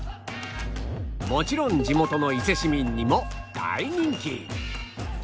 もちろん地元の伊勢市民にも大人気